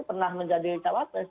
pernah menjadi cak wapres